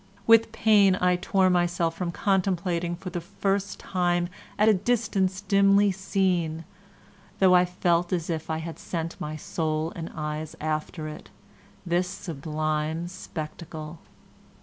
With pain I tore myself from contemplating for the first time 'at distance dimly seen' (though I felt as if I had sent my soul and eyes after it), this sublime spectacle."